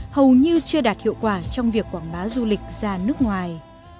hầu như chưa đạt hiệu quả trong việc quảng bá du lịch ra nước ngoài